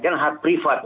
kan hak privat